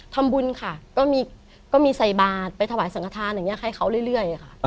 ทำบุญค่ะก็มีใส่บาทไปถวายสังฆฐานอย่างนี้ให้เขาเรื่อยค่ะ